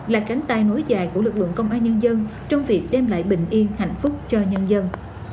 là cánh tay nối dài của lực lượng công an nhân dân trong việc đem lại bình yên hạnh phúc cho nhân dân